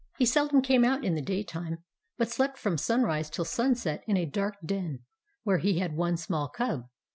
He seldom came out in the day time, but slept from sunrise till sunset in a dark den where he had one small cub.